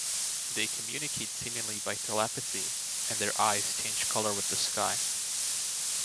They communicate seemingly by telepathy, and their eyes change colour with the sky.